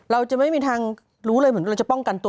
เราจะไม่มีทางรู้เลยเหมือนเราจะป้องกันตัว